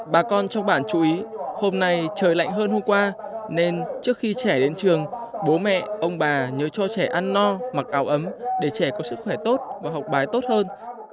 bà con trong bản chú ý hôm nay trời lạnh hơn hôm qua nên trước khi trẻ đến trường bố mẹ ông bà nhớ cho trẻ ăn no mặc áo ấm để trẻ có sức khỏe tốt và học bài tốt hơn